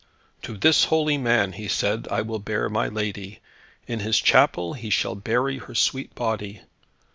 "To this holy man," he said, "I will bear my lady. In his chapel he shall bury her sweet body.